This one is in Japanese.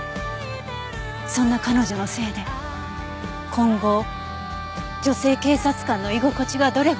そんな彼女のせいで今後女性警察官の居心地がどれほど悪くなるか。